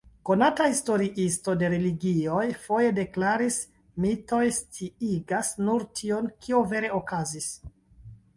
Konata historiisto de religioj foje deklaris: "Mitoj sciigas nur tion, kio vere okazis.